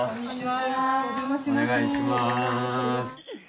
お願いします。